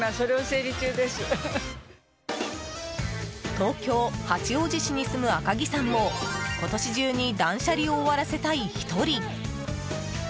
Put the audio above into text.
東京・八王子市に住む赤木さんも今年中に断捨離を終わらせたい１人。